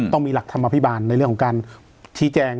ต้องมีหลักธรรมอภิบาลในเรื่องของการชี้แจง